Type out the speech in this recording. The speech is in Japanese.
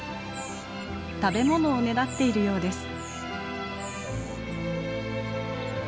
食べ物をねだっているようです。